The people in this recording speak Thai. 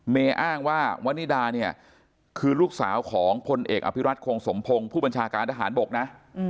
อ้างว่าวันนิดาเนี่ยคือลูกสาวของพลเอกอภิรัตคงสมพงศ์ผู้บัญชาการทหารบกนะ